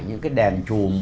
những cái đèn chùm